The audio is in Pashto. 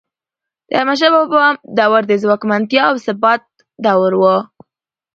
د احمدشاه بابا دور د ځواکمنتیا او ثبات دور و.